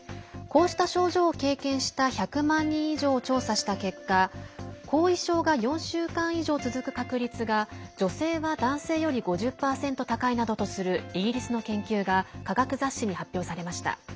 こうした症状を経験した１００万人以上を調査した結果後遺症が４週間以上続く確率が女性は男性より５０％高いなどとするイギリスの研究が科学雑誌に発表されました。